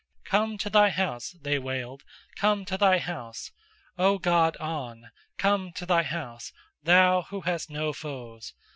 "Come to thy house," they wailed. "Come to thy house. O god On! come to thy house, thou who hast no foes.